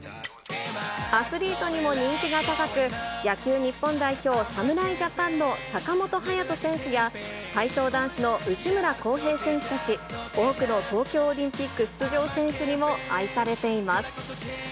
アスリートにも人気が高く、野球日本代表、侍ジャパンの坂本勇人選手や、体操男子の内村航平選手たち、多くの東京オリンピック出場選手にも愛されています。